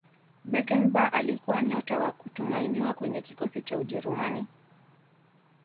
beckenbauer alikuwa nyota wa kutumainiwa kwenye kikosi cha ujerumani